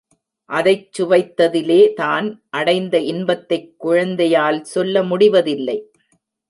அதைச் சுவைத்ததிலே தான் அடைந்த இன்பத்தைக் குழந்தையால் சொல்ல முடிவதில்லை.